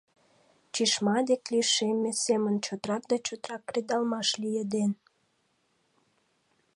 Чишма дек лишемме семын чотрак да чотрак кредалмаш лиеден.